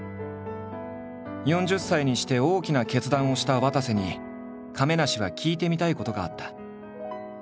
４０歳にして大きな決断をしたわたせに亀梨は聞いてみたいことがあった。